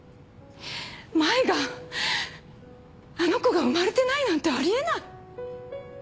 舞があの子が生まれてないなんてあり得ない。